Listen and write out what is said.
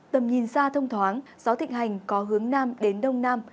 tầm nhìn xa thông thoáng gió thịnh hành có hướng nam đến đông nam